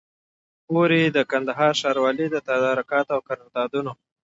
پوري د کندهار ښاروالۍ د تدارکاتو او قراردادونو